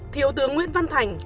thiếu tướng nguyễn văn thành